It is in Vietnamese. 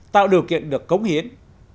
tạo điều kiện được cống hiến